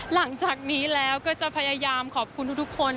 หลังจากนี้แล้วก็จะพยายามขอบคุณทุกคน